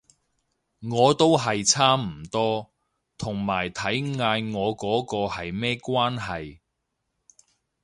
我都係差唔多，同埋睇嗌我嗰個係咩關係